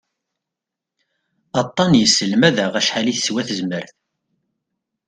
Aṭṭan yesselmad-aɣ acḥal i teswa tezmert.